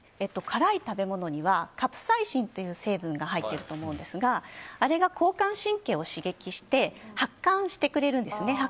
辛い食べ物にはカプサイシンという成分が入っていると思うんですがあれが交感神経を刺激して発汗してくれるんですね。